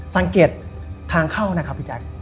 สังเกตทางเข้านะครับพี่แจ๊ค